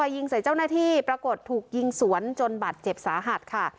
ยิงใส่เจ้าหน้าที่ปรากฏถูกยิงสวนจนบาดเจ็บสาหัสค่ะ